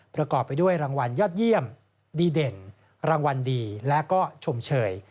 ประกอบไปด้วยรางวัลยอดเยี่ยมดีเด่นรางวัลดีและก็ชมเชย